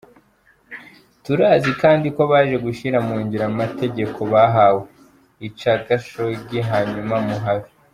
"Turazi kandi ko baje gushira mu ngiro amategeko bahawe: Ica Khashoggi hanyuma muhave.